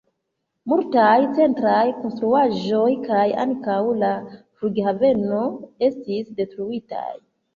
Multaj centraj konstruaĵoj kaj ankaŭ la flughaveno estis detruitaj.